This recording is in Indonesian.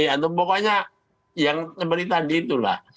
atau pokoknya yang seperti tadi itulah